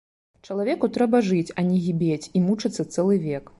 Чалавеку трэба жыць, а не гібець і мучыцца цэлы век!